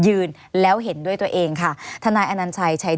หรือว่าแม่ของสมเกียรติศรีจันทร์